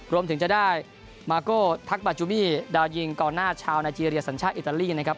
รวมถึงจะได้มาโก้ทักบาจูมี่ดาวยิงกองหน้าชาวไนเจรียสัญชาติอิตาลีนะครับ